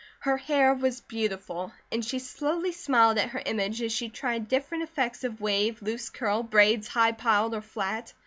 Her hair was beautiful and she slowly smiled at her image as she tried different effects of wave, loose curl, braids high piled or flat.